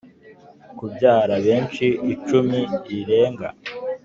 kubyara benshi icumi rirenga,